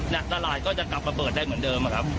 และตลาดก็จะกลับมาเปิดได้เหมือนเดิม